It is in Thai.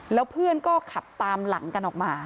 แล้วเพื่อนก็ขับตามหลังกันออกมา